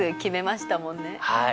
はい。